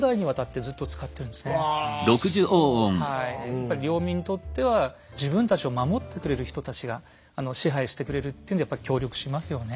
やっぱり領民にとっては自分たちを守ってくれる人たちが支配してくれるっていうんでやっぱ協力しますよね。